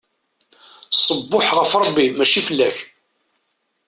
Ṣṣbuḥ ɣef Rebbi, mačči fell-ak!